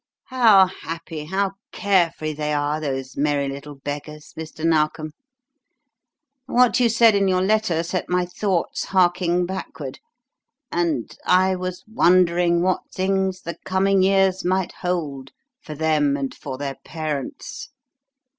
"How happy, how care free they are, those merry little beggars, Mr. Narkom. What you said in your letter set my thoughts harking backward, and ... I was wondering what things the coming years might hold for them and for their parents.